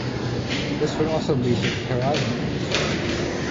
This would also lead to parosmia.